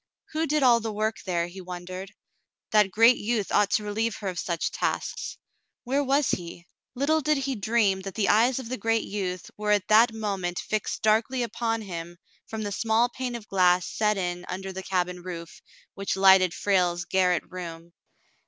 Who did all the work there, he wondered. That great youth ought to relieve her of such tasks. Where was he ? Little did he dream that the eyes of the great youth were at that moment fixed darkly upon him from the small pane of glass set in under the cabin roof, which lighted Frale's garret room.